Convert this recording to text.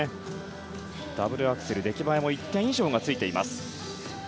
ダブルアクセル出来栄えも１点以上がついています。